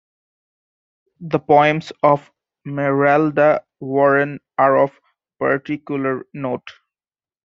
The poems of Meralda Warren are of particular note.